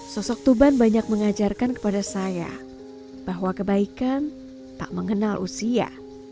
sosok tuban banyak mengajarkan kepada saya bahwa kebaikan tak mengenal usia